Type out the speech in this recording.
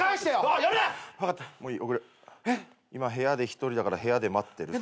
「今部屋で１人だから部屋で待ってる」